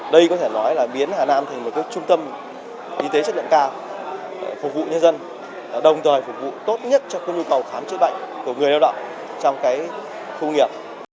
đây có thể nói là biến hà nam thành một trung tâm y tế chất lượng cao phục vụ nhân dân đồng thời phục vụ tốt nhất cho nhu cầu khám chữa bệnh của người lao động trong khu nghiệp